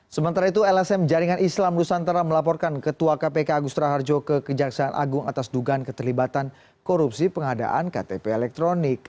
sementara itu lsm jaringan islam nusantara melaporkan ketua kpk agus raharjo ke kejaksaan agung atas dugaan keterlibatan korupsi pengadaan ktp elektronik